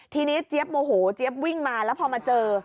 ทีนี้เจี๊ยบโมโหเจี๊ยบวิ่งมาแล้วพอมาเจอ